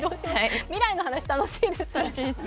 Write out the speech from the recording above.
未来の話、楽しいですね。